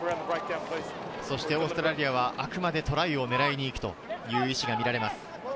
オーストラリアはあくまでもトライを狙いにいくという意思が見られます。